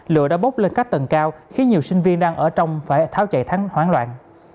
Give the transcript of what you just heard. lửa đã bốc lên các tầng cao khiến nhiều sinh viên đang ở trong phải tháo chạy thắng hoảng loạn